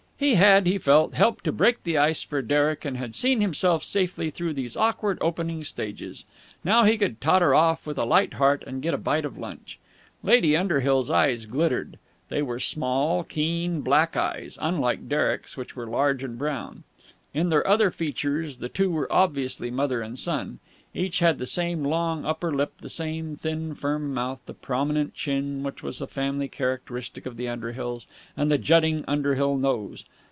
He had, he felt, helped to break the ice for Derek and had seen him safely through those awkward opening stages. Now he could totter off with a light heart and get a bite of lunch. Lady Underhill's eyes glittered. They were small, keen, black eyes, unlike Derek's, which were large and brown. In their other features the two were obviously mother and son. Each had the same long upper lip, the same thin, firm mouth, the prominent chin which was a family characteristic of the Underhills, and the jutting Underhill nose.